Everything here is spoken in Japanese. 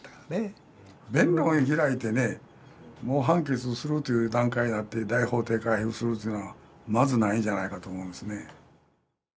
弁論開いてねもう判決するという段階になって大法廷回付するというのはまずないんじゃないかと思いますね。